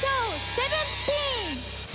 セブンティーン。